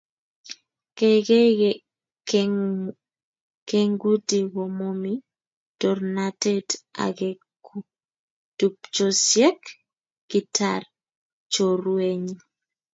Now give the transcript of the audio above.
Keikei kengetu komomi tornatet akeeku tuppchosiek, kiitar choruenyi